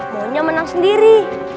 maunya menang sendiri